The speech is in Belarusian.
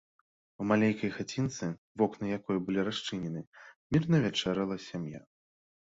У маленькай хацінцы, вокны якой былі расчынены, мірна вячэрала сям'я.